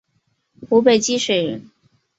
湖北蕲水人。